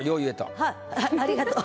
はい。